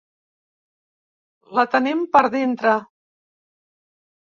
La tenim per dintre.